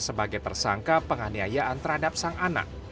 sebagai tersangka penganiayaan terhadap sang anak